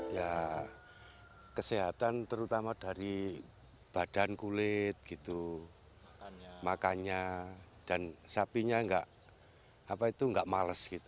ya kesehatan terutama dari badan kulit gitu makannya dan sapinya nggak males